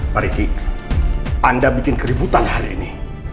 pak riki anda bikin keributan hari ini